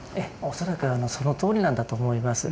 恐らくそのとおりなんだと思います。